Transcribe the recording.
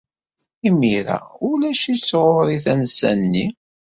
Imir-a, ulac-itt ɣer-i tansa-nni.